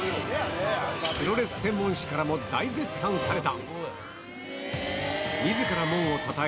プロレス専門誌からも大絶賛された。